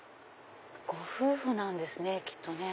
ご夫婦なんですねきっとね。